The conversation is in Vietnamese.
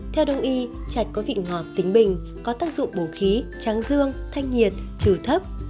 theo đồng y chạch có vị ngọt tính bình có tác dụng bổ khí tráng dương thanh nhiệt trừ thấp